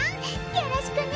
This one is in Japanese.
よろしくね！